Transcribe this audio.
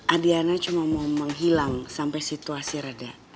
adriana cuma mau menghilang sampe situasi reda